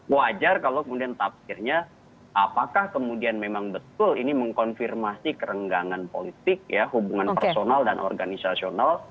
wajar kalau kemudian tafsirnya apakah kemudian memang betul ini mengkonfirmasi kerenggangan politik ya hubungan personal dan organisasional